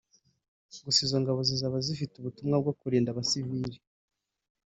Gusa izo ngabo zizaba zifite ubutumwa bwo kurinda abasivili